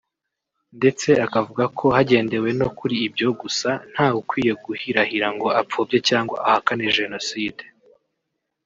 ndetse akavuga ko hagendewe no kuri ibyo gusa nta we ukwiye guhirahira ngo apfobye cyangwa ahakane Jenoside